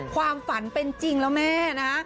ความฝันเป็นจริงแล้วแม่นะ